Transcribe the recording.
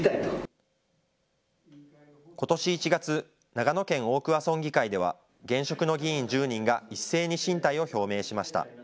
ことし１月、長野県大桑村議会では、現職の議員１０人が一斉に進退を表明しました。